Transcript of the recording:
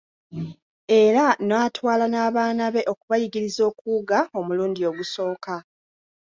Era n'atwala n'abaana be okubayigiriza okuwuga omulundi ogusooka.